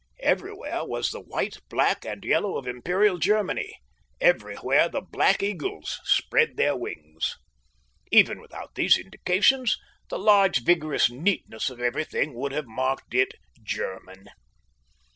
Everywhere was the white, black and yellow of Imperial Germany, everywhere the black eagles spread their wings. Even without these indications, the large vigorous neatness of everything would have marked it German.